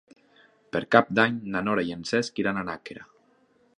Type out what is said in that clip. Per Cap d'Any na Nora i en Cesc iran a Nàquera.